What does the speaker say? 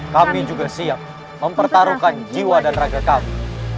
kami juga siap mempertaruhkan jiwa dan raga kami